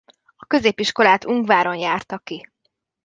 A középiskolát Ungváron járta ki.